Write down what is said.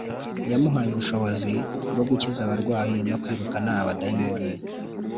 yamuhaye ubushobozi bwo gukiza abarwayi no kwirukana abadayimoni